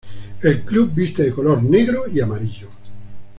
El club viste de color negro y amarillo.